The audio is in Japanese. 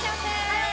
はい！